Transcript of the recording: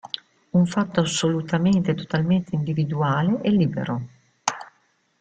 È un fatto assolutamente e totalmente individuale e libero.